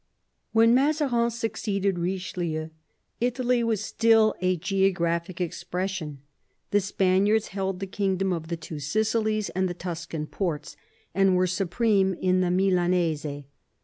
When Mazarin succeeded Eichelieu, Italy was still a geographical expression. The Spaniards held the king dom of the Two Sicilies and the Tuscan ports, and were supreme in the Milanese.